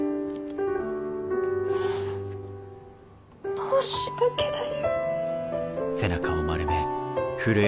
申し訳ない。